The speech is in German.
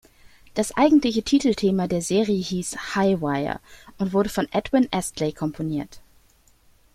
Das eigentliche Titelthema der Serie hieß "High Wire" und wurde von Edwin Astley komponiert.